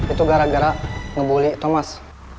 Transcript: itu gara gara ngebully thomas